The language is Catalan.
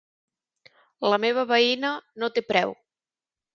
La meva veïna no té preu.